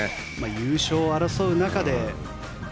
優勝を争う中で。